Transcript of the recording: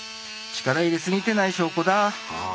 力入れ過ぎてない証拠だあ。